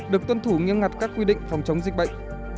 được tuân thủ nghiêm ngặt các quy định phòng chống dịch bệnh